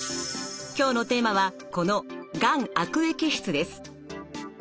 今日のテーマはこの「がん悪液質」です。